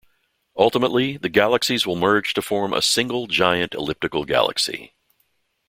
Ultimately, the galaxies will merge to form a single giant elliptical galaxy.